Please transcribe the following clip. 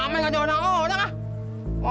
tenang aja pokoknya bu